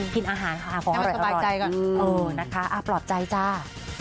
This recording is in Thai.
กินอาหารของอร่อยเออนะคะปลอดใจจ้าเออนะคะปลอดใจจ้า